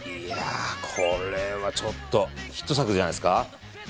これはちょっとヒット作じゃないですか？